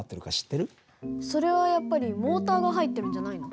それはやっぱりモーターが入ってるんじゃないの？